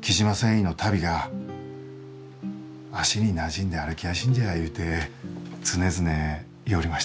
雉真繊維の足袋が足になじんで歩きやしんじゃいうて常々言ようりました。